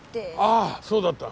ああそうだった。